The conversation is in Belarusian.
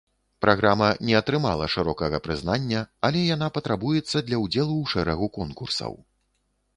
Праграма не атрымала шырокага прызнання, але яна патрабуецца для ўдзелу ў шэрагу конкурсаў.